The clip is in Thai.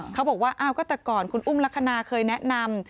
เขาบอกว่าอ้าวก็แต่ก่อนคุณอุ้มลักษณะเคยแนะนำ